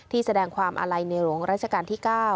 แสดงความอาลัยในหลวงราชการที่๙